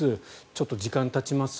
ちょっと時間がたちます